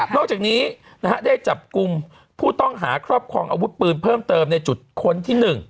อกจากนี้ได้จับกลุ่มผู้ต้องหาครอบครองอาวุธปืนเพิ่มเติมในจุดค้นที่๑